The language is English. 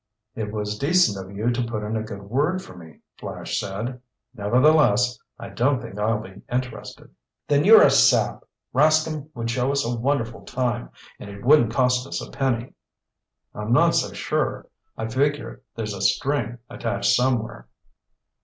"It was decent of you to put in a good word for me," Flash said. "Nevertheless, I don't think I'll be interested." "Then you're a sap! Rascomb would show us a wonderful time. And it wouldn't cost us a penny." "I'm not so sure. I figure there's a string attached somewhere."